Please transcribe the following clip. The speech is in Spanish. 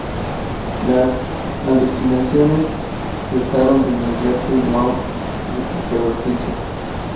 Las alucinaciones cesaron de inmediato, y Waugh recuperó el juicio.